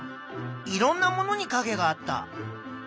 いろんなものにかげがあった。